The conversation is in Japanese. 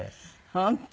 本当？